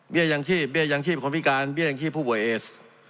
เบี้ยยังชีพของพิการเบี้ยยังชีพผู้บ่วยเอส